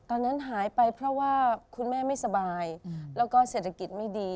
ตอนนั้นหายไปเพราะว่าคุณแม่ไม่สบายแล้วก็เศรษฐกิจไม่ดี